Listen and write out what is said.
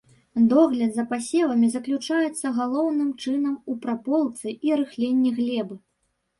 Догляд за пасевамі заключаецца галоўным чынам у праполцы і рыхленні глебы.